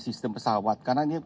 sistem pesawat karena ini